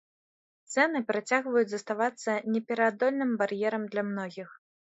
Цэны працягваюць заставацца непераадольным бар'ерам для многіх.